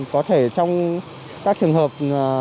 có thể trong các trường hợp